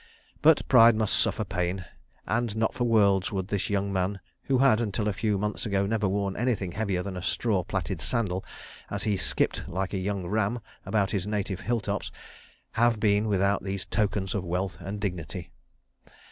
But pride must suffer pain, and not for worlds would this young man (who had, until a few months ago, never worn anything heavier than a straw plaited sandal as he "skipped like a young ram" about his native hill tops) have been without these tokens of wealth and dignity.